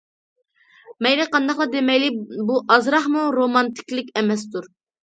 مەيلى قانداقلا دېمەيلى، بۇ ئازراقمۇ رومانتىكىلىق ئەمەستۇر.